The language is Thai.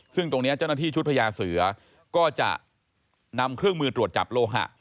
ซึ่งตรงนี้เจ้าหน้าที่ชุดพญาเสือก็จะนำเครื่องมือตรวจจับโลหะ